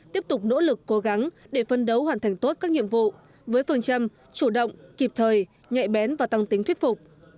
tiếp tục nỗ lực cố gắng để phân đấu hoàn thành tốt các nhiệm vụ với phương châm chủ động kịp thời nhạy bén và tăng tính thuyết phục